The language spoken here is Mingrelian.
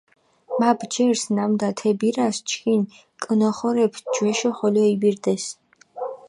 მა ბჯერს, ნამდა თე ბირას ჩქინ კჷნოხონეფი ჯვეშო ხოლო იბირდეს.